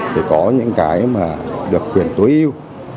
thì có những cái mà được quyền tối yêu